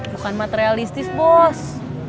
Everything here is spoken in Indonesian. bukan materialistis bos